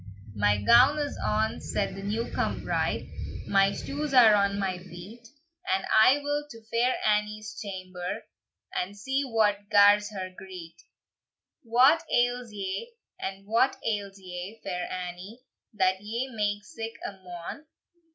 "My gown is on," said the new come bride, "My shoes are on my feet, And I will to Fair Annie's chamber, And see what gars her greet. "What ails ye, what ails ye, Fair Annie, That ye make sic a moan?